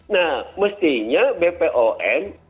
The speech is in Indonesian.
nah mestinya bepom